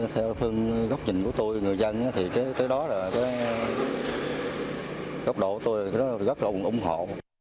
theo phương góc nhìn của tôi người dân góc độ của tôi rất là ủng hộ